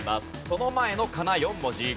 その前の仮名４文字。